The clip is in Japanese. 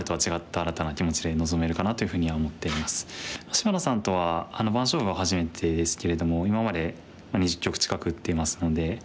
芝野さんとは番勝負は初めてですけれども今まで２０局近く打っていますので。